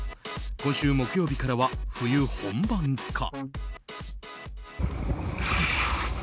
今週木曜日からは冬本番か。